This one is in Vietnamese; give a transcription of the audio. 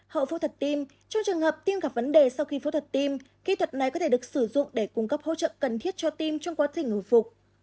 hậu phẫu thuật tim trong trường hợp tiêm gặp vấn đề sau khi phẫu thuật tim kỹ thuật này có thể được sử dụng để cung cấp hỗ trợ cần thiết cho tim trong quá trình hồi phục